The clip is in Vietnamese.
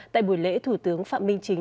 tại buổi lễ thủ tướng phạm minh chính